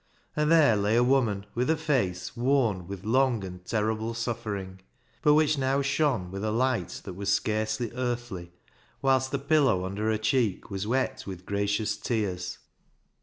And there lay a woman with a face worn with long and terrible suffering, but which now shone with a light that was scarcely earthly, whilst the pillow under her cheek was wet with gracious tears.